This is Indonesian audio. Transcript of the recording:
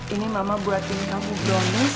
ini mama buatin kamu berani